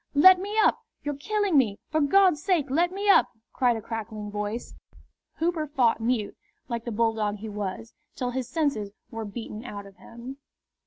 "Let me up! You're killing me! For God's sake let me up!" cried a crackling voice. Hooper fought mute, like the bulldog he was, till his senses were beaten out of him.